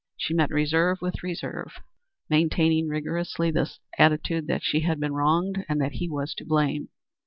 She met reserve with reserve, maintaining rigorously the attitude that she had been wronged and that he was to blame.